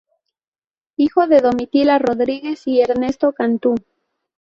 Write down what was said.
Hijo de Domitila Rodríguez y Ernesto Cantú.